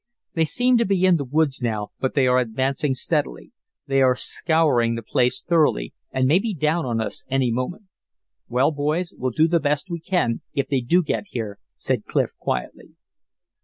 "They seem to be in the woods now, but they are advancing steadily. They are scouring the place thoroughly, and may be down on us any moment." "Well, boys, we'll do the best we can, if they do get here," said Clif, quietly.